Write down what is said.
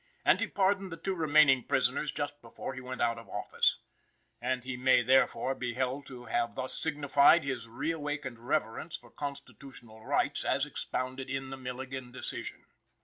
And he pardoned the two remaining prisoners just before he went out of office. And he may, therefore, be held to have thus signified his reawakened reverence for constitutional rights as expounded in the Milligan decision.